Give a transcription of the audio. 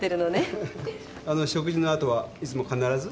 あの食事の後はいつも必ず？